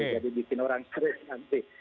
jadi bikin orang serius nanti